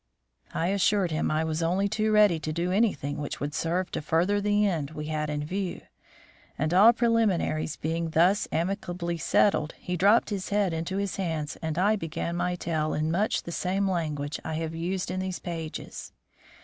I assured him I was only too ready to do anything which would serve to further the end we had in view; and all preliminaries being thus amicably settled he dropped his head into his hands and I began my tale in much the same language I have used in these pages.